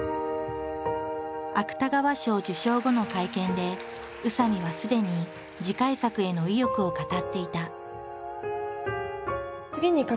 芥川賞受賞後の会見で宇佐見はすでに次回作への意欲を語っていた。